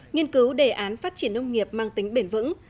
nghiên cứu đề án phát triển nông nghiệp mang tính bền vững